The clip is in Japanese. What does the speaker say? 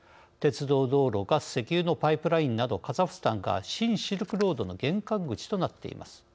鉄道道路ガス石油のパイプラインなどカザフスタンが新シルクロードの玄関口となっています。